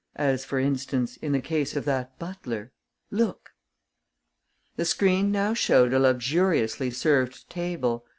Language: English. As, for instance, in the case of that butler: look!" The screen now showed a luxuriously served table.